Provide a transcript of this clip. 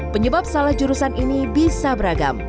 penyebab salah jurusan ini bisa beragam